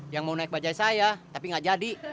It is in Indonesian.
yang mau naik bajai saya tapi gak jadi